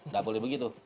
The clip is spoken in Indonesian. nggak boleh begitu